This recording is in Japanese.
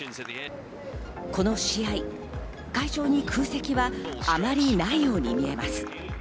この試合、会場に空席はあまりないように見えます。